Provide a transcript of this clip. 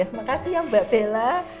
makasih ya mbak bella